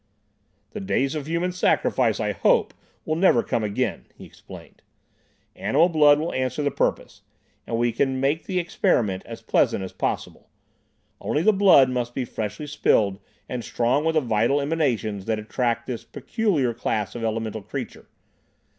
"The days of human sacrifice, I hope, will never come again," he explained. "Animal blood will answer the purpose, and we can make the experiment as pleasant as possible. Only, the blood must be freshly spilled and strong with the vital emanations that attract this peculiar class of elemental creature.